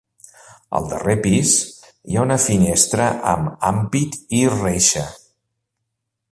Al darrer pis, hi ha una finestra amb ampit i reixa.